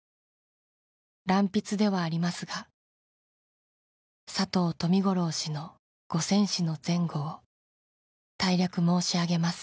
「乱筆ではありますが佐藤冨五郎氏の御戦死の前後を大略申し上げます」